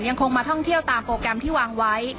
ยังคงมาท่องเที่ยวตามโปรแกรมที่วางไว้